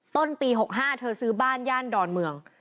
ต้นปี๖๕เธอซื้อบ้านย่านดอนเมือง